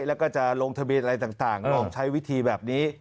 แล้วก็จะลงทะเบียนอะไรต่างลองใช้วิธีแบบนี้